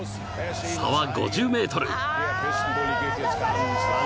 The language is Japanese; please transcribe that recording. ［差は５０ｍ］